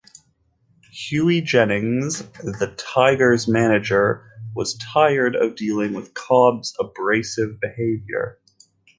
Hughie Jennings, the Tigers' manager, was tired of dealing with Cobb's abrasive behavior.